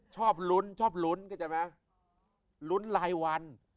ชอบลุ้นรุ้นไรวัน